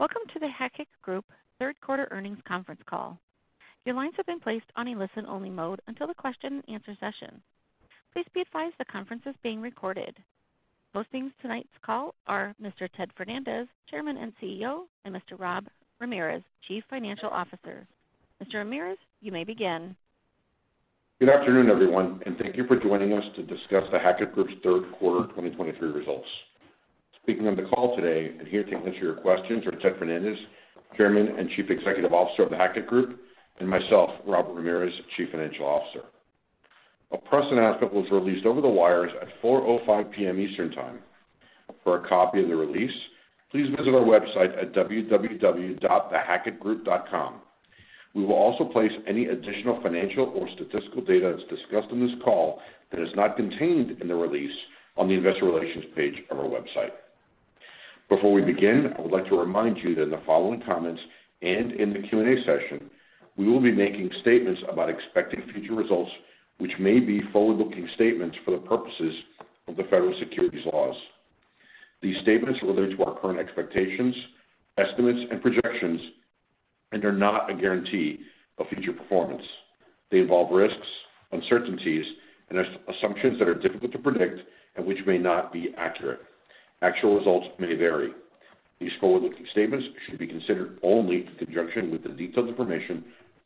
Welcome to The Hackett Group third quarter earnings conference call. Your lines have been placed on a listen-only mode until the question-and-answer session. Please be advised, the conference is being recorded. Hosting tonight's call are Mr. Ted Fernandez, Chairman and CEO, and Mr. Rob Ramirez, Chief Financial Officer. Mr. Ramirez, you may begin. Good afternoon, everyone, and thank you for joining us to discuss The Hackett Group's third quarter 2023 results. Speaking on the call today and here to answer your questions are Ted Fernandez, Chairman and Chief Executive Officer of The Hackett Group, and myself, Robert Ramirez, Chief Financial Officer. A press announcement was released over the wires at 4:05 P.M. Eastern Time. For a copy of the release, please visit our website at www.thehackettgroup.com. We will also place any additional financial or statistical data that's discussed on this call that is not contained in the release on the investor relations page of our website. Before we begin, I would like to remind you that in the following comments and in the Q&A session, we will be making statements about expecting future results, which may be forward-looking statements for the purposes of the federal securities laws. These statements relate to our current expectations, estimates, and projections, and are not a guarantee of future performance. They involve risks, uncertainties, and assumptions that are difficult to predict and which may not be accurate. Actual results may vary. These forward-looking statements should be considered only in conjunction with the detailed information,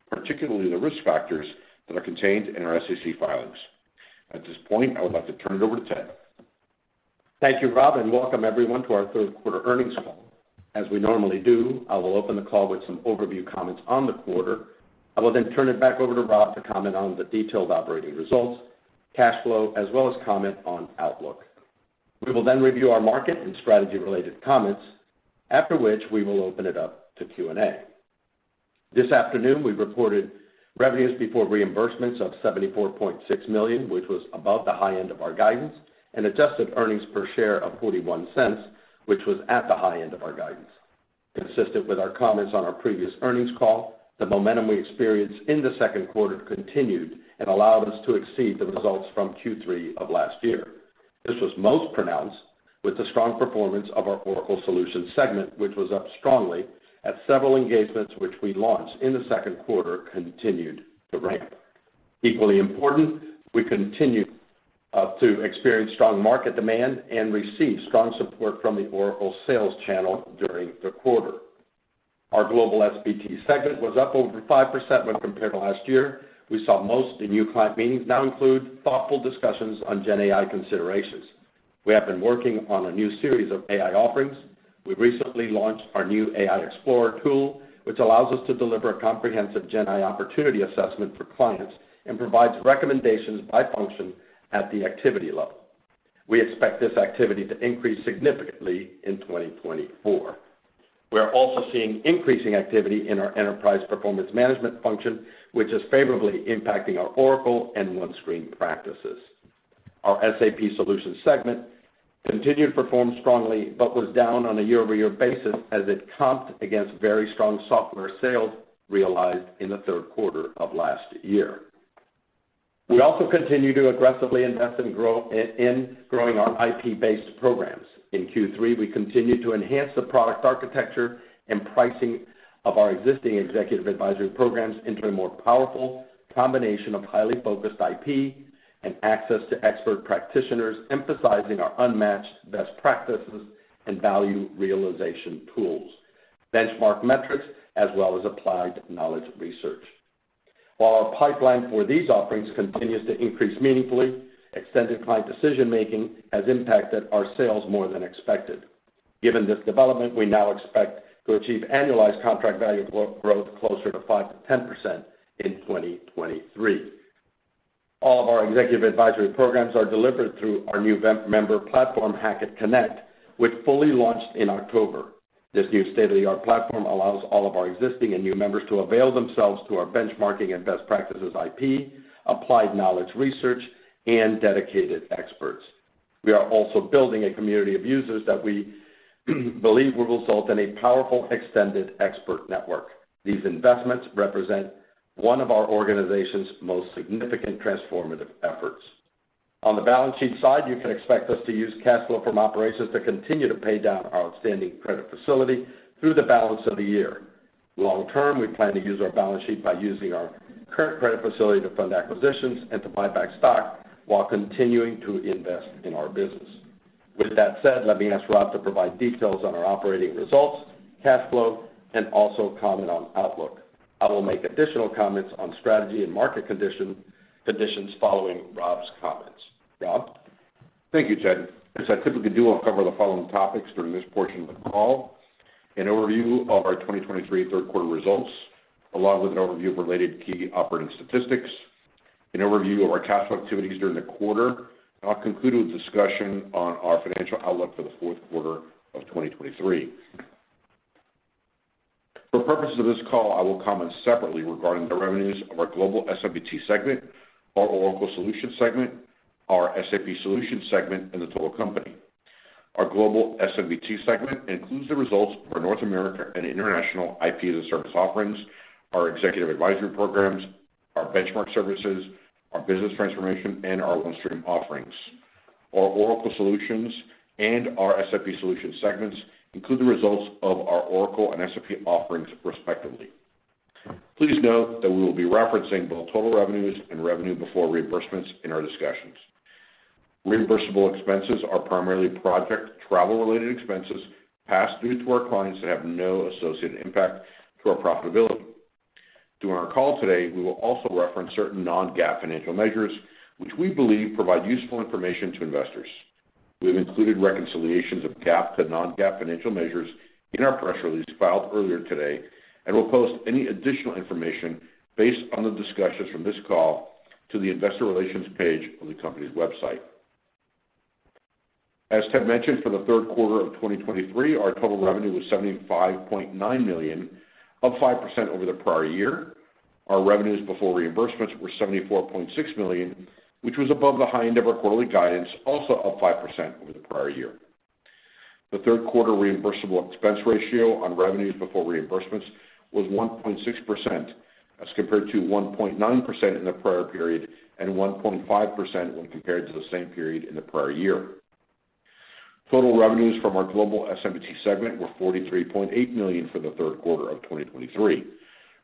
particularly the risk factors, that are contained in our SEC filings. At this point, I would like to turn it over to Ted. Thank you, Rob, and welcome everyone to our third quarter earnings call. As we normally do, I will open the call with some overview comments on the quarter. I will then turn it back over to Rob to comment on the detailed operating results, cash flow, as well as comment on outlook. We will then review our market and strategy-related comments, after which we will open it up to Q&A. This afternoon, we reported revenues before reimbursements of $74.6 million, which was above the high end of our guidance, and adjusted earnings per share of $0.41, which was at the high end of our guidance. Consistent with our comments on our previous earnings call, the momentum we experienced in the second quarter continued and allowed us to exceed the results from Q3 of last year. This was most pronounced with the strong performance of our Oracle Solutions segment, which was up strongly at several engagements, which we launched in the second quarter, continued to ramp. Equally important, we continued to experience strong market demand and receive strong support from the Oracle sales channel during the quarter. Our Global S&BT segment was up over 5% when compared to last year. We saw most of the new client meetings now include thoughtful discussions on GenAI considerations. We have been working on a new series of AI offerings. We recently launched our new AI Explorer tool, which allows us to deliver a comprehensive GenAI opportunity assessment for clients and provides recommendations by function at the activity level. We expect this activity to increase significantly in 2024. We are also seeing increasing activity in our enterprise performance management function, which is favorably impacting our Oracle and OneStream practices. Our SAP solutions segment continued to perform strongly, but was down on a year-over-year basis as it comped against very strong software sales realized in the third quarter of last year. We also continue to aggressively invest in growing our IP-based programs. In Q3, we continued to enhance the product architecture and pricing of our existing executive advisory programs into a more powerful combination of highly focused IP and access to expert practitioners, emphasizing our unmatched best practices and value realization tools, benchmark metrics, as well as applied knowledge research. While our pipeline for these offerings continues to increase meaningfully, extended client decision-making has impacted our sales more than expected. Given this development, we now expect to achieve annualized contract value growth closer to 5%-10% in 2023. All of our executive advisory programs are delivered through our new member platform, Hackett Connect, which fully launched in October. This new state-of-the-art platform allows all of our existing and new members to avail themselves to our benchmarking and best practices IP, applied knowledge research, and dedicated experts. We are also building a community of users that we believe will result in a powerful, extended expert network. These investments represent one of our organization's most significant transformative efforts. On the balance sheet side, you can expect us to use cash flow from operations to continue to pay down our outstanding credit facility through the balance of the year. Long-term, we plan to use our balance sheet by using our current credit facility to fund acquisitions and to buy back stock while continuing to invest in our business. With that said, let me ask Rob to provide details on our operating results, cash flow, and also comment on outlook. I will make additional comments on strategy and market conditions following Rob's comments. Rob? Thank you, Ted. As I typically do, I'll cover the following topics during this portion of the call: an overview of our 2023 third quarter results, along with an overview of related key operating statistics, an overview of our cash flow activities during the quarter. I'll conclude with a discussion on our financial outlook for the fourth quarter of 2023. For purposes of this call, I will comment separately regarding the revenues of our Global S&BT segment, our Oracle Solutions segment, our SAP Solutions segment, and the total company. Our Global S&BT segment includes the results for North America and International IP-as-a-Service offerings, our executive advisory programs, our benchmark services, our business transformation, and our OneStream offerings. Our Oracle Solutions and our SAP Solutions segments include the results of our Oracle and SAP offerings respectively. Please note that we will be referencing both total revenues and revenue before reimbursements in our discussions. Reimbursable expenses are primarily project travel-related expenses passed through to our clients that have no associated impact to our profitability. During our call today, we will also reference certain non-GAAP financial measures, which we believe provide useful information to investors. We have included reconciliations of GAAP to non-GAAP financial measures in our press release filed earlier today, and we'll post any additional information based on the discussions from this call to the investor relations page on the company's website. As Ted mentioned, for the third quarter of 2023, our total revenue was $75.9 million, up 5% over the prior year. Our revenues before reimbursements were $74.6 million, which was above the high end of our quarterly guidance, also up 5% over the prior year. The third quarter reimbursable expense ratio on revenues before reimbursements was 1.6%, as compared to 1.9% in the prior period and 1.5% when compared to the same period in the prior year. Total revenues from our Global S&BT segment were $43.8 million for the third quarter of 2023.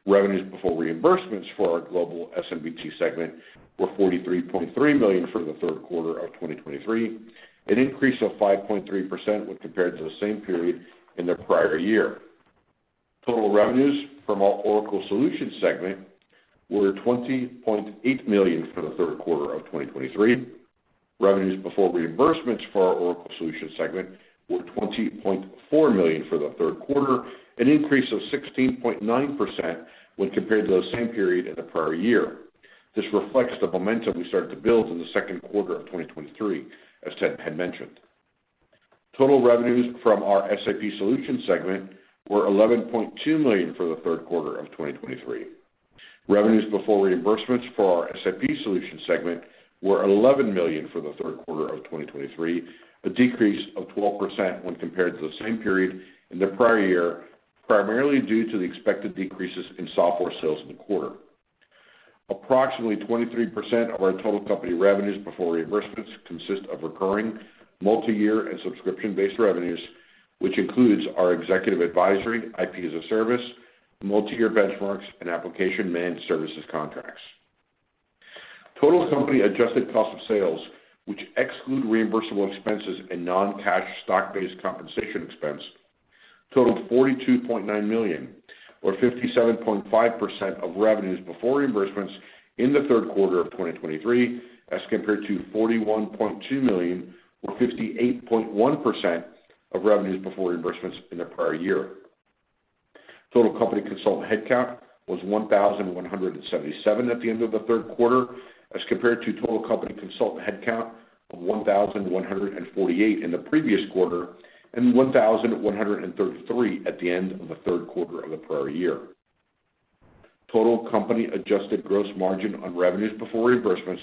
Revenues before reimbursements for our Global S&BT segment were $43.3 million for the third quarter of 2023, an increase of 5.3% when compared to the same period in the prior year. Total revenues from our Oracle Solutions segment were $20.8 million for the third quarter of 2023. Revenues before reimbursements for our Oracle Solutions segment were $20.4 million for the third quarter, an increase of 16.9% when compared to the same period in the prior year. This reflects the momentum we started to build in the second quarter of 2023, as Ted had mentioned. Total revenues from our SAP Solutions segment were $11.2 million for the third quarter of 2023. Revenues before reimbursements for our SAP Solutions segment were $11 million for the third quarter of 2023, a decrease of 12% when compared to the same period in the prior year, primarily due to the expected decreases in software sales in the quarter. Approximately 23% of our total company revenues before reimbursements consist of recurring, multi-year, and subscription-based revenues, which includes our executive advisory, IP-as-a-Service, multi-year benchmarks, and application managed services contracts. Total company adjusted cost of sales, which exclude reimbursable expenses and non-cash stock-based compensation expense, totaled $42.9 million, or 57.5% of revenues before reimbursements in the third quarter of 2023, as compared to $41.2 million, or 58.1% of revenues before reimbursements in the prior year. Total company consultant headcount was 1,177 at the end of the third quarter, as compared to total company consultant headcount of 1,148 in the previous quarter and 1,133 at the end of the third quarter of the prior year. Total company adjusted gross margin on revenues before reimbursements,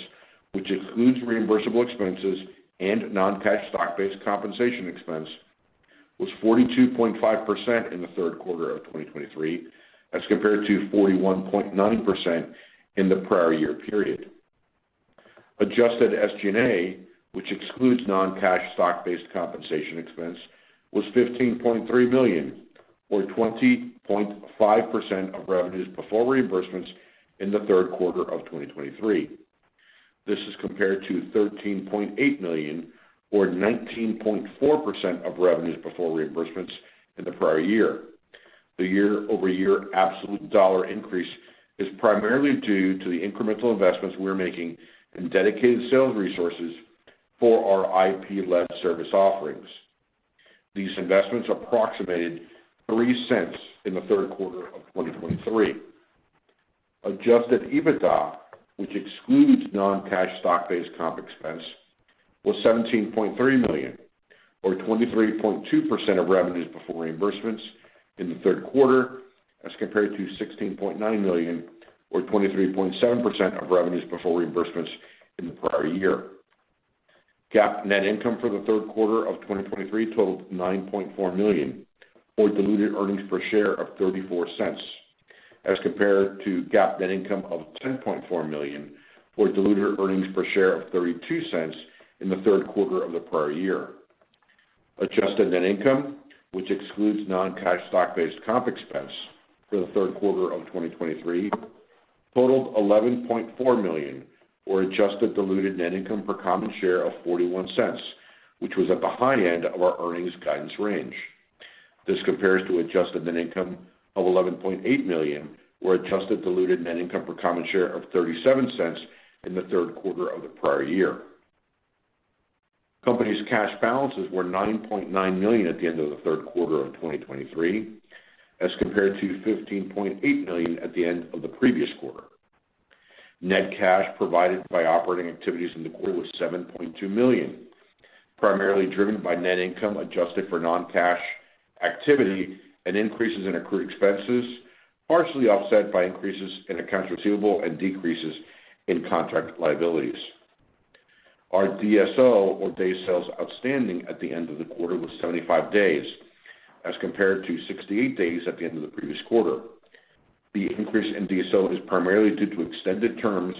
which includes reimbursable expenses and non-cash stock-based compensation expense, was 42.5% in the third quarter of 2023, as compared to 41.9% in the prior year period. Adjusted SG&A, which excludes non-cash stock-based compensation expense, was $15.3 million, or 20.5% of revenues before reimbursements in the third quarter of 2023. This is compared to $13.8 million, or 19.4% of revenues before reimbursements in the prior year. The year-over-year absolute dollar increase is primarily due to the incremental investments we're making in dedicated sales resources for our IP-led service offerings. These investments approximated $0.03 in the third quarter of 2023. Adjusted EBITDA, which excludes non-cash stock-based comp expense, was $17.3 million, or 23.2% of revenues before reimbursements in the third quarter, as compared to $16.9 million, or 23.7% of revenues before reimbursements in the prior year. GAAP net income for the third quarter of 2023 totaled $9.4 million, or diluted earnings per share of $0.34, as compared to GAAP net income of $10.4 million, or diluted earnings per share of $0.32 in the third quarter of the prior year. Adjusted net income, which excludes non-cash stock-based comp expense for the third quarter of 2023, totaled $11.4 million, or adjusted diluted net income per common share of $0.41, which was at the high end of our earnings guidance range. This compares to adjusted net income of $11.8 million, or adjusted diluted net income per common share of $0.37 in the third quarter of the prior year. Company's cash balances were $9.9 million at the end of the third quarter of 2023, as compared to $15.8 million at the end of the previous quarter. Net cash provided by operating activities in the quarter was $7.2 million, primarily driven by net income adjusted for non-cash activity and increases in accrued expenses, partially offset by increases in accounts receivable and decreases in contract liabilities. Our DSO, or Days Sales Outstanding, at the end of the quarter was 75 days, as compared to 68 days at the end of the previous quarter.... The increase in DSO is primarily due to extended terms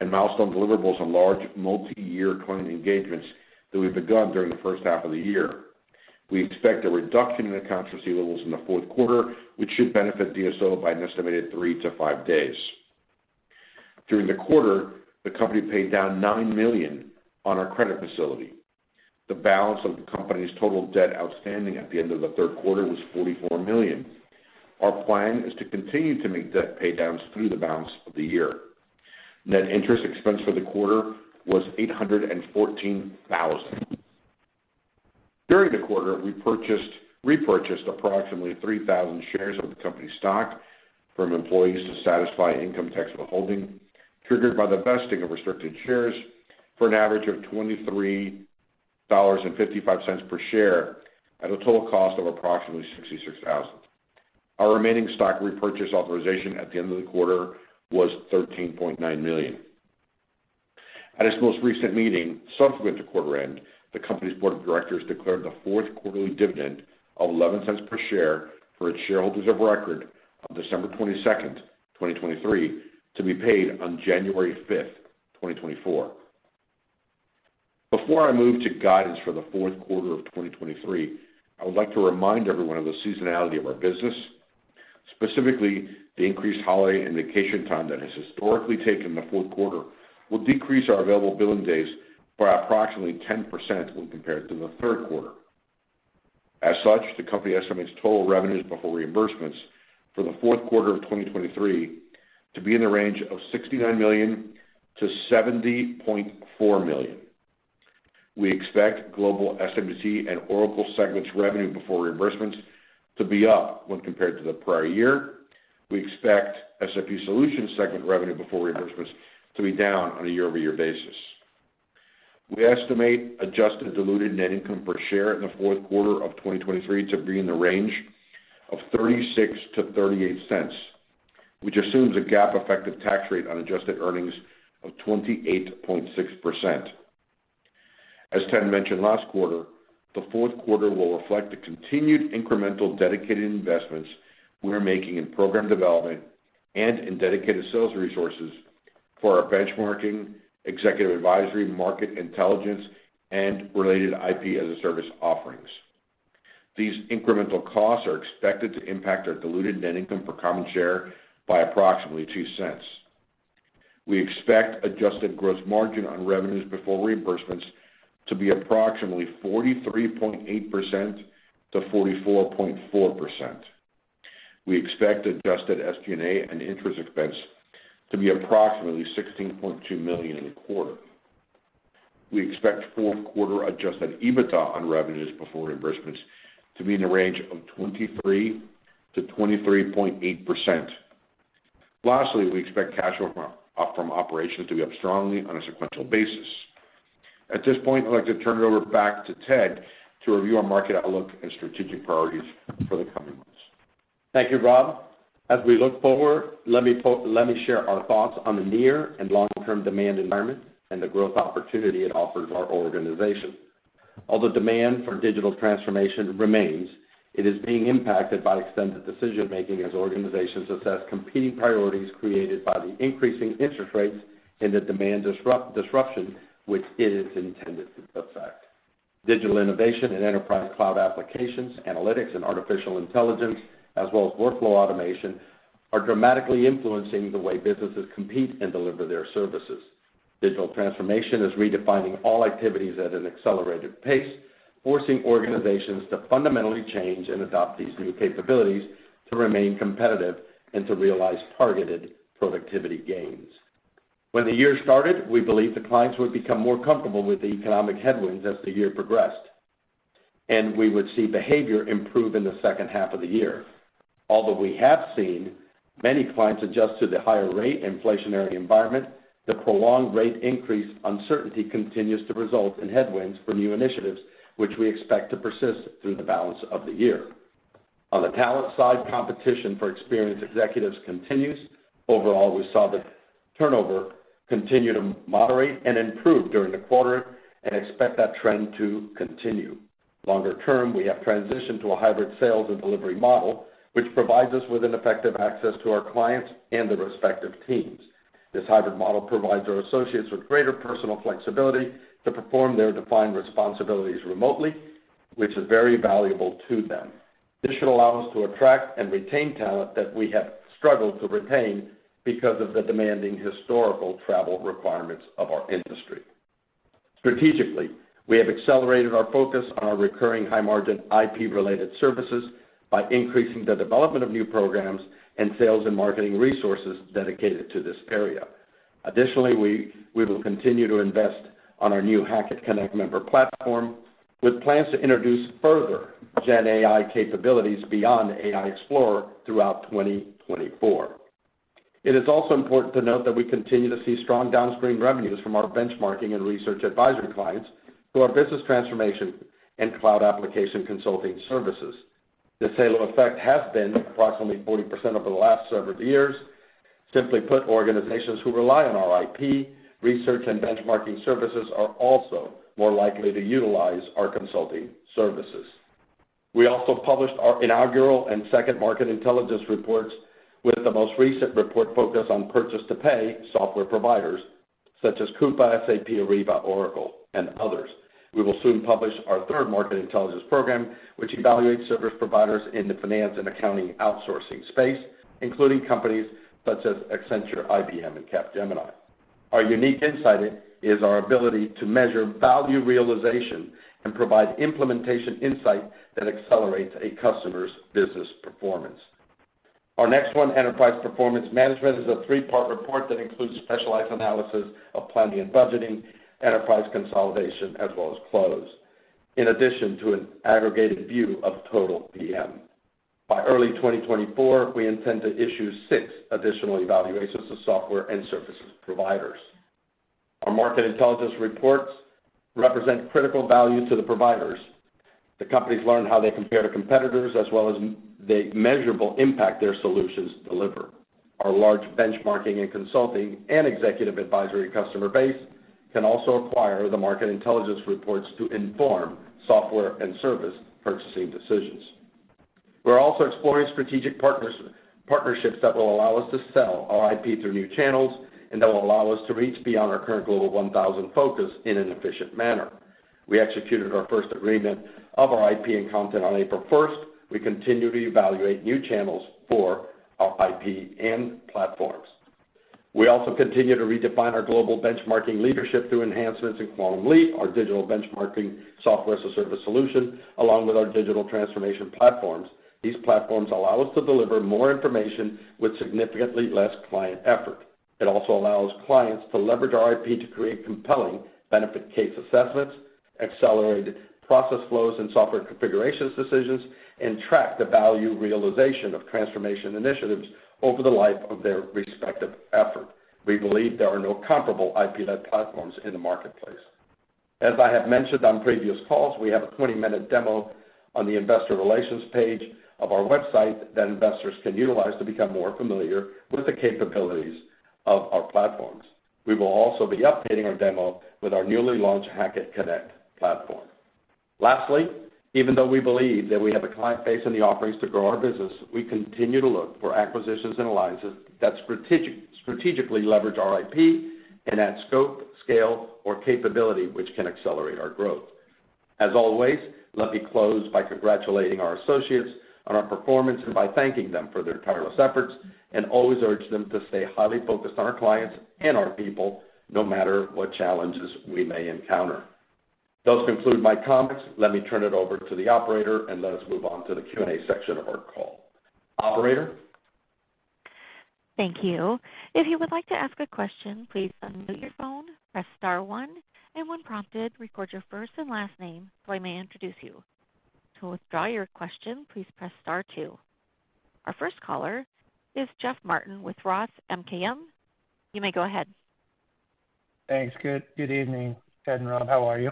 and milestone deliverables on large multi-year client engagements that we've begun during the first half of the year. We expect a reduction in accounts receivables in the fourth quarter, which should benefit DSO by an estimated three-five days. During the quarter, the company paid down $9 million on our credit facility. The balance of the company's total debt outstanding at the end of the third quarter was $44 million. Our plan is to continue to make debt pay downs through the balance of the year. Net interest expense for the quarter was $814,000. During the quarter, we repurchased approximately 3,000 shares of the company's stock from employees to satisfy income tax withholding, triggered by the vesting of restricted shares for an average of $23.55 per share, at a total cost of approximately $66,000. Our remaining stock repurchase authorization at the end of the quarter was $13.9 million. At its most recent meeting, subsequent to quarter end, the company's board of directors declared the fourth quarterly dividend of $0.11 per share for its shareholders of record on December 22nd, 2023, to be paid on January 5th, 2024. Before I move to guidance for the fourth quarter of 2023, I would like to remind everyone of the seasonality of our business. Specifically, the increased holiday and vacation time that has historically taken the fourth quarter will decrease our available billing days by approximately 10% when compared to the third quarter. As such, the company estimates total revenues before reimbursements for the fourth quarter of 2023 to be in the range of $69 million-$70.4 million. We expect Global S&BT and Oracle segments revenue before reimbursements to be up when compared to the prior year. We expect SAP Solutions segment revenue before reimbursements to be down on a year-over-year basis. We estimate adjusted diluted net income per share in the fourth quarter of 2023 to be in the range of $0.36-$0.38, which assumes a GAAP effective tax rate on adjusted earnings of 28.6%. As Ted mentioned last quarter, the fourth quarter will reflect the continued incremental dedicated investments we are making in program development and in dedicated sales resources for our benchmarking, executive advisory, market intelligence, and related IP-as-a-Service offerings. These incremental costs are expected to impact our diluted net income per common share by approximately $0.02. We expect adjusted gross margin on revenues before reimbursements to be approximately 43.8%-44.4%. We expect adjusted SG&A and interest expense to be approximately $16.2 million in the quarter. We expect fourth quarter Adjusted EBITDA on revenues before reimbursements to be in the range of 23%-23.8%. Lastly, we expect cash flow from operations to be up strongly on a sequential basis. At this point, I'd like to turn it over back to Ted, to review our market outlook and strategic priorities for the coming months. Thank you, Rob. As we look forward, let me share our thoughts on the near and long-term demand environment and the growth opportunity it offers our organization. Although demand for digital transformation remains, it is being impacted by extended decision-making as organizations assess competing priorities created by the increasing interest rates and the demand disruption, which is intended effect. Digital innovation and enterprise cloud applications, analytics and artificial intelligence, as well as workflow automation, are dramatically influencing the way businesses compete and deliver their services. Digital transformation is redefining all activities at an accelerated pace, forcing organizations to fundamentally change and adopt these new capabilities to remain competitive and to realize targeted productivity gains. When the year started, we believed the clients would become more comfortable with the economic headwinds as the year progressed, and we would see behavior improve in the second half of the year. Although we have seen many clients adjust to the higher rate inflationary environment, the prolonged rate increase uncertainty continues to result in headwinds for new initiatives, which we expect to persist through the balance of the year. On the talent side, competition for experienced executives continues. Overall, we saw the turnover continue to moderate and improve during the quarter and expect that trend to continue. Longer term, we have transitioned to a hybrid sales and delivery model, which provides us with an effective access to our clients and their respective teams. This hybrid model provides our associates with greater personal flexibility to perform their defined responsibilities remotely, which is very valuable to them. This should allow us to attract and retain talent that we have struggled to retain because of the demanding historical travel requirements of our industry. Strategically, we have accelerated our focus on our recurring high-margin IP-related services by increasing the development of new programs and sales and marketing resources dedicated to this area. Additionally, we will continue to invest on our new Hackett Connect Member platform, with plans to introduce further GenAI capabilities beyond AI Explorer throughout 2024. It is also important to note that we continue to see strong downstream revenues from our benchmarking and research advisory clients, through our business transformation and cloud application consulting services. The sale effect has been approximately 40% over the last several years. Simply put, organizations who rely on our IP, research and benchmarking services are also more likely to utilize our consulting services. We also published our inaugural and second market intelligence reports, with the most recent report focused on purchase-to-pay software providers such as Coupa, SAP, Ariba, Oracle, and others. We will soon publish our third market intelligence program, which evaluates service providers in the finance and accounting outsourcing space, including companies such as Accenture, IBM, and Capgemini. Our unique insight is our ability to measure value realization and provide implementation insight that accelerates a customer's business performance. Our next one, Enterprise Performance Management, is a three-part report that includes specialized analysis of planning and budgeting, enterprise consolidation, as well as close, in addition to an aggregated view of total PM. By early 2024, we intend to issue six additional evaluations of software and services providers. Our market intelligence reports represent critical value to the providers. The companies learn how they compare to competitors, as well as the measurable impact their solutions deliver. Our large benchmarking and consulting and executive advisory customer base can also acquire the market intelligence reports to inform software and service purchasing decisions. We're also exploring strategic partners, partnerships that will allow us to sell our IP through new channels and that will allow us to reach beyond our current Global 1000 focus in an efficient manner. We executed our first agreement of our IP and content on April 1st. We continue to evaluate new channels for our IP and platforms. We also continue to redefine our global benchmarking leadership through enhancements in Quantum Leap, our digital benchmarking software as a service solution, along with our digital transformation platforms. These platforms allow us to deliver more information with significantly less client effort. It also allows clients to leverage our IP to create compelling benefit case assessments, accelerated process flows and software configurations decisions, and track the value realization of transformation initiatives over the life of their respective effort. We believe there are no comparable IP-led platforms in the marketplace. As I have mentioned on previous calls, we have a 20 minute demo on the investor relations page of our website that investors can utilize to become more familiar with the capabilities of our platforms. We will also be updating our demo with our newly launched Hackett Connect platform. Lastly, even though we believe that we have a client base and the offerings to grow our business, we continue to look for acquisitions and alliances that strategic, strategically leverage our IP and add scope, scale, or capability, which can accelerate our growth. As always, let me close by congratulating our associates on our performance and by thanking them for their tireless efforts, and always urge them to stay highly focused on our clients and our people, no matter what challenges we may encounter. Those conclude my comments. Let me turn it over to the operator, and let us move on to the Q&A section of our call. Operator? Thank you. If you would like to ask a question, please unmute your phone, press star one, and when prompted, record your first and last name so I may introduce you. To withdraw your question, please press star two. Our first caller is Jeff Martin with Roth MKM. You may go ahead. Thanks. Good, good evening, Ted and Rob. How are you?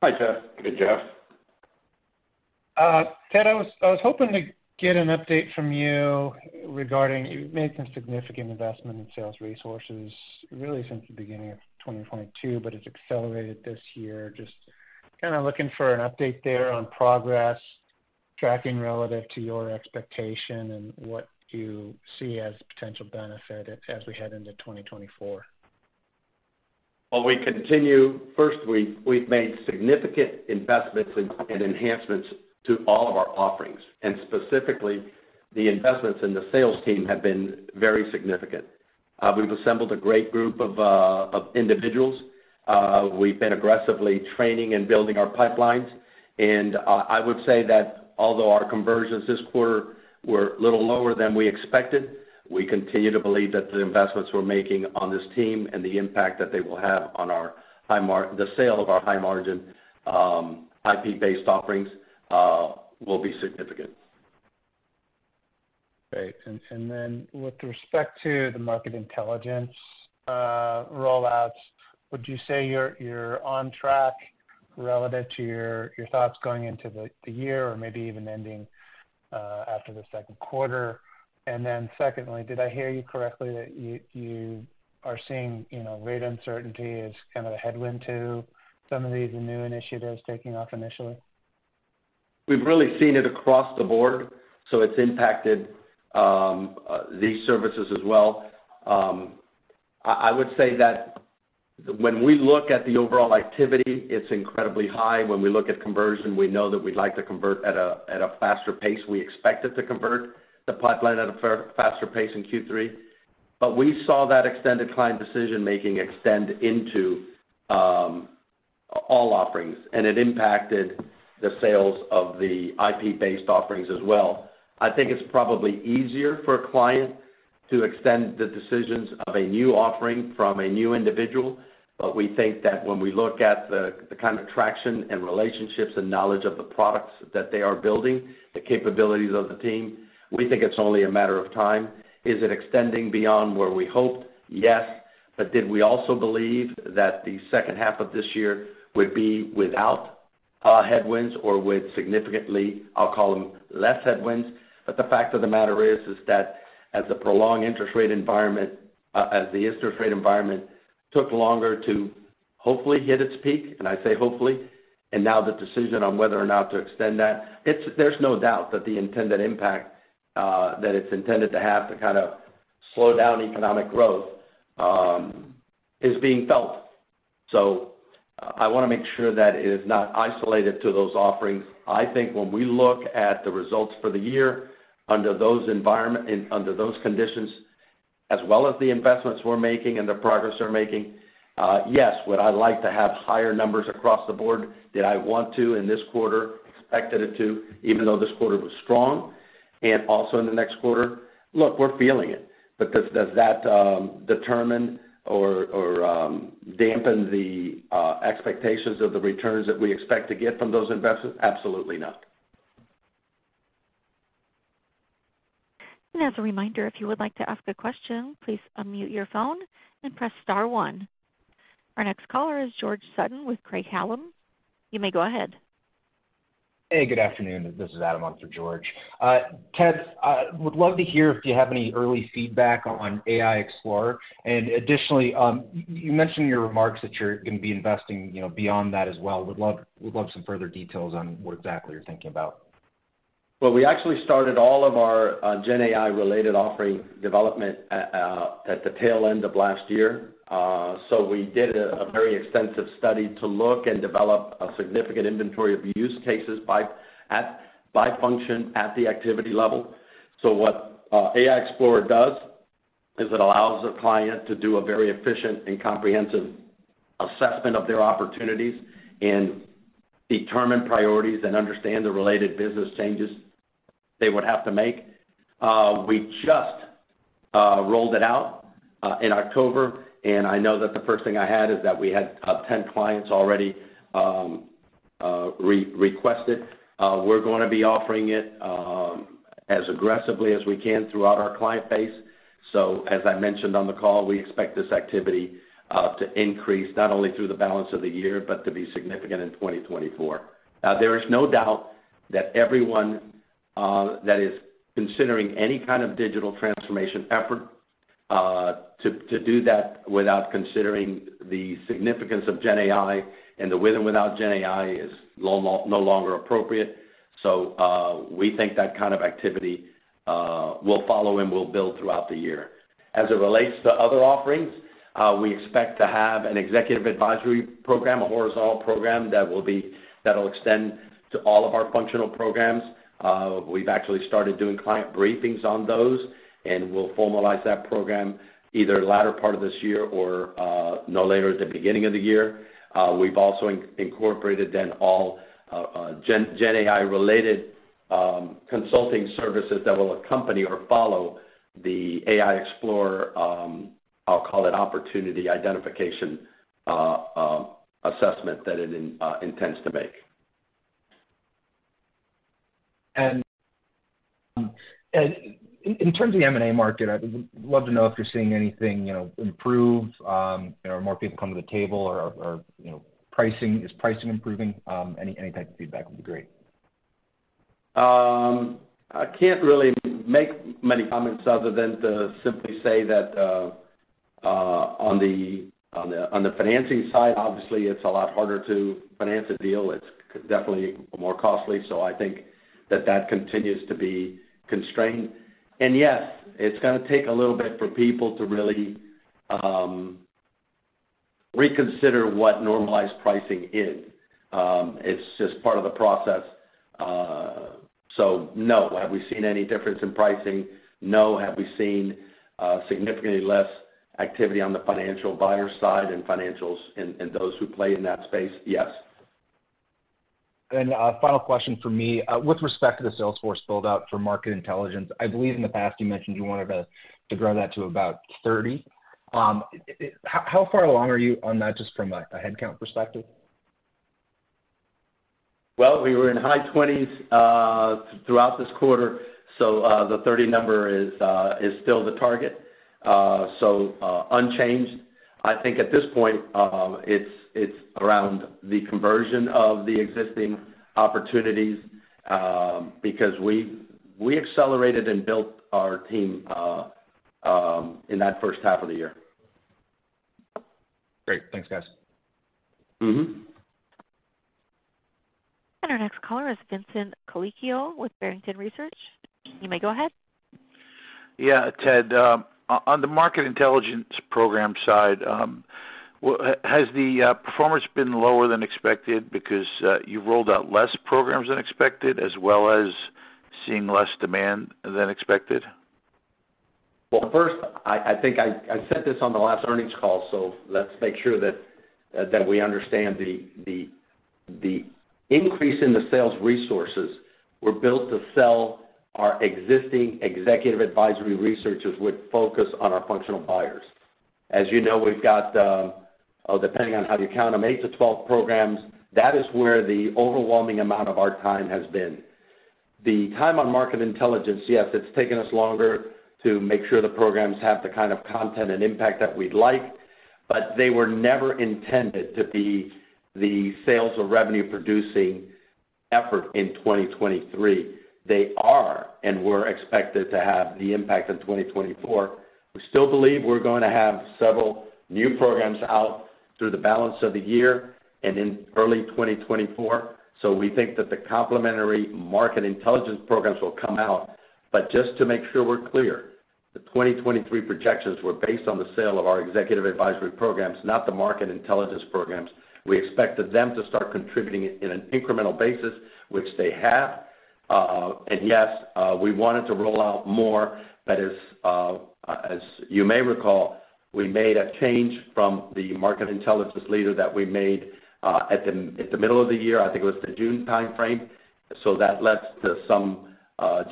Hi, Jeff. Good, Jeff. Ted, I was hoping to get an update from you regarding... You've made some significant investment in sales resources, really since the beginning of 2022, but it's accelerated this year. Just kind of looking for an update there on progress, tracking relative to your expectation and what you see as potential benefit as we head into 2024? Well, first, we've made significant investments in, and enhancements to all of our offerings, and specifically, the investments in the sales team have been very significant. We've assembled a great group of individuals. We've been aggressively training and building our pipelines. I would say that although our conversions this quarter were a little lower than we expected, we continue to believe that the investments we're making on this team and the impact that they will have on the sale of our high-margin IP-based offerings will be significant. Great. And, and then with respect to the market intelligence, rollouts, would you say you're, you're on track relative to your, your thoughts going into the, the year or maybe even ending, after the second quarter? And then secondly, did I hear you correctly that you, you are seeing, you know, rate uncertainty as kind of a headwind to some of these new initiatives taking off initially? We've really seen it across the board, so it's impacted these services as well. I would say that when we look at the overall activity, it's incredibly high. When we look at conversion, we know that we'd like to convert at a faster pace. We expect it to convert the pipeline at a faster pace in Q3. But we saw that extended client decision-making extend into all offerings, and it impacted the sales of the IP-based offerings as well. I think it's probably easier for a client to extend the decisions of a new offering from a new individual, but we think that when we look at the kind of traction and relationships and knowledge of the products that they are building, the capabilities of the team, we think it's only a matter of time. Is it extending beyond where we hoped? Yes. But did we also believe that the second half of this year would be without headwinds or with significantly, I'll call them, less headwinds. But the fact of the matter is that as the interest rate environment took longer to hopefully hit its peak, and I say hopefully, and now the decision on whether or not to extend that, there's no doubt that the intended impact that it's intended to have to kind of slow down economic growth is being felt. So I wanna make sure that it is not isolated to those offerings. I think when we look at the results for the year under those environment, and under those conditions, as well as the investments we're making and the progress we're making, yes, would I like to have higher numbers across the board? Did I want to in this quarter, expected it to, even though this quarter was strong, and also in the next quarter? Look, we're feeling it. But does that determine or dampen the expectations of the returns that we expect to get from those investments? Absolutely not. As a reminder, if you would like to ask a question, please unmute your phone and press star one. Our next caller is George Sutton with Craig-Hallum. You may go ahead. Hey, good afternoon. This is Adam on for George. Ted, I would love to hear if you have any early feedback on AI Explorer? And additionally, you mentioned in your remarks that you're gonna be investing, you know, beyond that as well. Would love, would love some further details on what exactly you're thinking about? Well, we actually started all of our GenAI-related offering development at the tail end of last year. So we did a very extensive study to look and develop a significant inventory of use cases by function, at the activity level. So what AI Explorer does is it allows the client to do a very efficient and comprehensive assessment of their opportunities and determine priorities and understand the related business changes they would have to make. We just rolled it out in October, and I know that the first thing I had is that we had 10 clients already re-requested. We're gonna be offering it as aggressively as we can throughout our client base. So as I mentioned on the call, we expect this activity to increase not only through the balance of the year, but to be significant in 2024. There is no doubt that everyone that is considering any kind of digital transformation effort to do that without considering the significance of GenAI and the with and without GenAI is no longer appropriate. So, we think that kind of activity will follow and will build throughout the year. As it relates to other offerings, we expect to have an executive advisory program, a horizontal program, that will extend to all of our functional programs. We've actually started doing client briefings on those, and we'll formalize that program either later part of this year or, no later at the beginning of the year. We've also incorporated then all GenAI-related consulting services that will accompany or follow the AI Explorer, I'll call it, opportunity identification assessment that it intends to make. In terms of the M&A market, I would love to know if you're seeing anything, you know, improve, you know, more people coming to the table or, or, you know, pricing. Is pricing improving? Any type of feedback would be great. I can't really make many comments other than to simply say that on the financing side, obviously, it's a lot harder to finance a deal. It's definitely more costly, so I think that that continues to be constrained. And yes, it's gonna take a little bit for people to really reconsider what normalized pricing is. It's just part of the process. So no, have we seen any difference in pricing? No. Have we seen significantly less activity on the financial buyer side and financials and those who play in that space? Yes. And, final question for me. With respect to the sales force build-out for market intelligence, I believe in the past you mentioned you wanted to, to grow that to about 30. How far along are you on that, just from a headcount perspective? Well, we were in high 20s throughout this quarter, so the 30 number is still the target, so unchanged. I think at this point, it's around the conversion of the existing opportunities, because we accelerated and built our team in that first half of the year. Great. Thanks, guys. Mm-hmm. Our next caller is Vincent Colicchio with Barrington Research. You may go ahead. Yeah, Ted, on the market intelligence program side, has the performance been lower than expected because you rolled out less programs than expected, as well as seeing less demand than expected? Well first, I think I said this on the last earnings call, so let's make sure that we understand the increase in the sales resources were built to sell our existing executive advisory researchers with focus on our functional buyers. As you know, we've got, depending on how you count them, 8-12 programs. That is where the overwhelming amount of our time has been. The time on market intelligence, yes, it's taken us longer to make sure the programs have the kind of content and impact that we'd like, but they were never intended to be the sales or revenue-producing effort in 2023. They are, and we're expected to have the impact in 2024. We still believe we're going to have several new programs out through the balance of the year and in early 2024, so we think that the complementary market intelligence programs will come out. But just to make sure we're clear, the 2023 projections were based on the sale of our executive advisory programs, not the market intelligence programs. We expected them to start contributing in an incremental basis, which they have. And yes, we wanted to roll out more, but as you may recall, we made a change from the market intelligence leader that we made at the middle of the year. I think it was the June time frame. So that led to some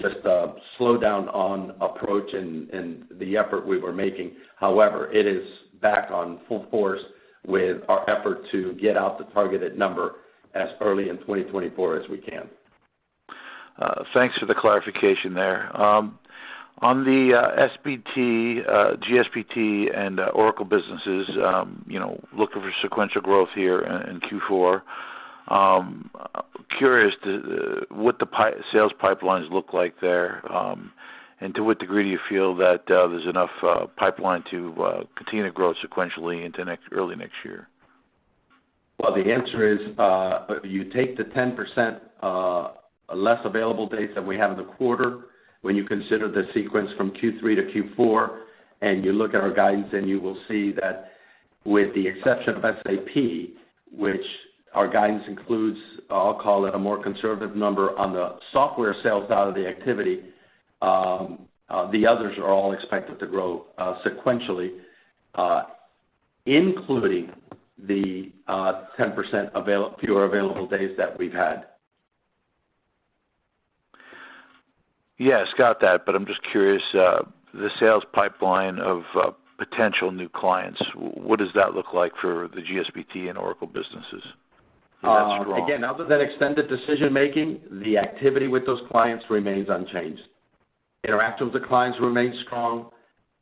just a slowdown on approach and the effort we were making. However, it is back on full force with our effort to get out the targeted number as early in 2024 as we can. Thanks for the clarification there. On the SBT, GSBT, and Oracle businesses, you know, looking for sequential growth here in Q4. Curious to what the sales pipelines look like there? And to what degree do you feel that there's enough pipeline to continue to grow sequentially into early next year? Well, the answer is, you take the 10% less available dates that we have in the quarter when you consider the sequence from Q3 to Q4, and you look at our guidance, and you will see that with the exception of SAP, which our guidance includes, I'll call it, a more conservative number on the software sales out of the activity, the others are all expected to grow, sequentially, including the 10% fewer available days that we've had. Yes, got that, but I'm just curious, the sales pipeline of potential new clients, what does that look like for the GSBT and Oracle businesses? Strong. Again, other than extended decision-making, the activity with those clients remains unchanged. Interaction with the clients remains strong.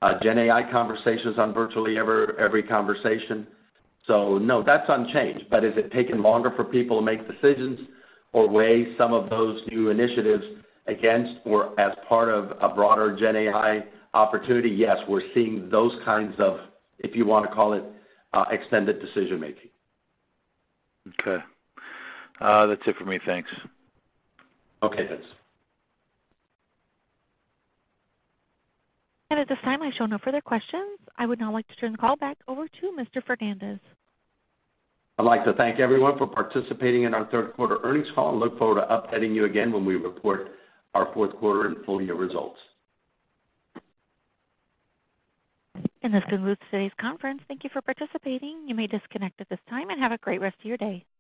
GenAI conversations on virtually every, every conversation. So no, that's unchanged. But is it taking longer for people to make decisions or weigh some of those new initiatives against or as part of a broader GenAI opportunity? Yes, we're seeing those kinds of, if you want to call it, extended decision making. Okay. That's it for me. Thanks. Okay, thanks. At this time, I show no further questions. I would now like to turn the call back over to Mr. Fernandez. I'd like to thank everyone for participating in our third quarter earnings call and look forward to updating you again when we report our fourth quarter and full year results. This concludes today's conference. Thank you for participating. You may disconnect at this time, and have a great rest of your day.